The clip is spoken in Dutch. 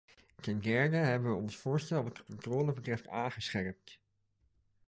Ten derde hebben we ons voorstel wat de controle betreft aangescherpt.